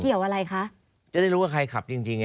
เกี่ยวอะไรคะ